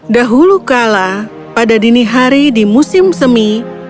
dahulu kala pada dini hari di musim semi